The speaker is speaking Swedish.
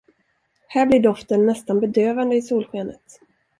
Här blir doften nästan bedövande i solskenet.